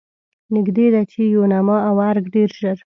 نږدې ده چې یوناما او ارګ ډېر ژر.